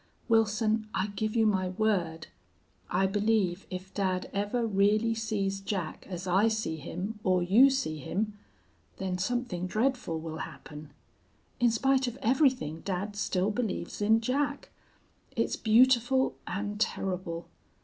Wilson, I give you my word; I believe if dad ever really sees Jack as I see him or you see him, then something dreadful will happen. In spite of everything dad still believes in Jack. It's beautiful and terrible.